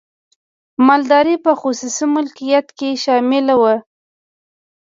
مالداري په خصوصي مالکیت کې شامله وه.